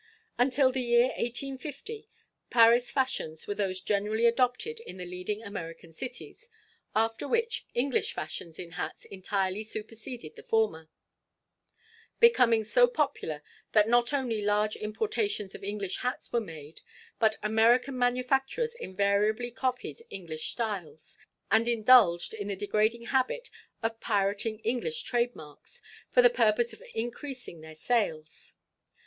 Until the year 1850, Paris fashions were those generally adopted in the leading American cities, after which English fashions in hats entirely superseded the former, becoming so popular that not only large importations of English hats were made, but American manufacturers invariably copied English styles, and indulged in the degrading habit of pirating English trade marks, for the purpose of increasing their sales.